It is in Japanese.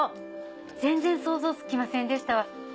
全然想像つきませんでしたわ。